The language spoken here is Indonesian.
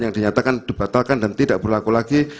yang dinyatakan dibatalkan dan tidak berlaku lagi